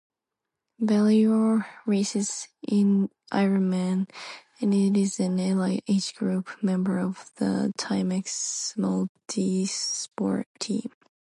Valerio races Ironman and is an elite age-group member of the Timex Multisport Team.